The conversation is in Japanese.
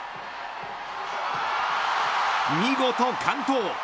見事、完登。